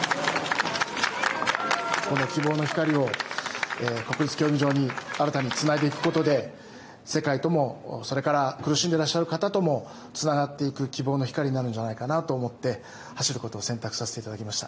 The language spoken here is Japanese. この希望の光を国立競技場に新たにつないでいくことで世界とも、それから苦しんでらっしゃる方ともつながっていく希望の光になるんじゃないかなと思って走ることを選択させいただきました。